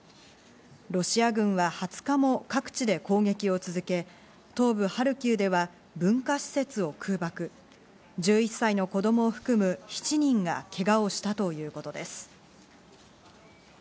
ロシア軍は２０日も各地で攻撃を続け、東部ハルキウでは文化施設を空爆、１１歳の子供を含む７人がけがをしたということです。